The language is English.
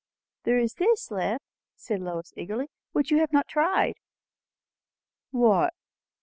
"There is this left," said Lois eagerly, "which you have not tried." "What?"